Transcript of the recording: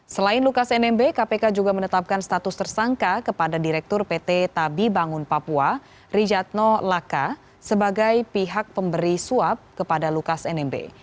selain lukas nmb kpk juga menetapkan status tersangka kepada direktur pt tabi bangun papua rijatno laka sebagai pihak pemberi suap kepada lukas nmb